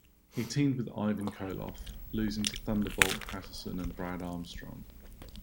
He teamed with Ivan Koloff, losing to Thunderbolt Patterson and Brad Armstrong.